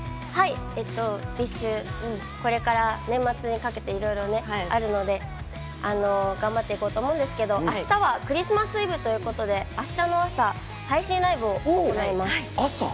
ＢｉＳＨ、これから年末にかけていろいろあるので、頑張って行こうと思うんですけど、明日はクリスマスイブということで明日の朝、配信ライブを行います。